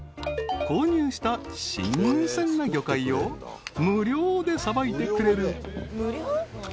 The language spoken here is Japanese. ［購入した新鮮な魚介を無料でさばいてくれる］